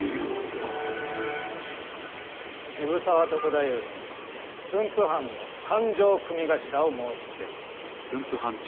渋沢篤太夫に駿府藩の勘定組頭を申しつける。